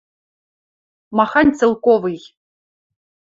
– Махань целковый!..